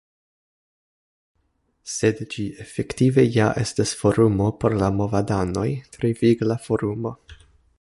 Sed ĝi efektive ja estas forumo por la movadanoj; tre vigla forumo.